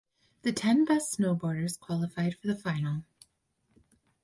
The ten best snowboarders qualified for the final.